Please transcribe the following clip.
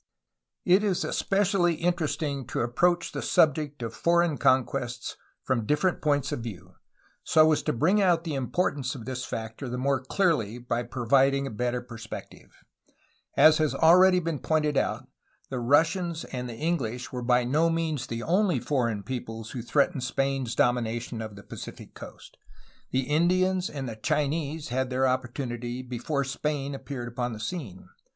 It is especially interesting to approach the subject of foreign conquests from different points of view, so as to bring out the importance of this factor the more clearly by pro viding a better perspective. The whole situation is graph ically represented in the chart on the following page. As has already been pointed out, the Russians and the English were by no means the only foreign peoples who threatened Spain's domination of the Pacific coast. The Indians and the Chinese had their opportunity before Spain appeared upon the scene.